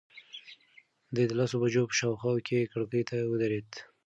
دی د لسو بجو په شاوخوا کې کړکۍ ته ودرېد.